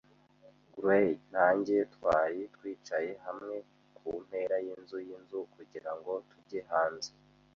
Gray na njye twari twicaye hamwe kumpera yinzu yinzu, kugirango tujye hanze